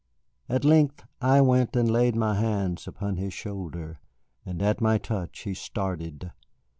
At length I went and laid my hands upon his shoulder, and at my touch he started.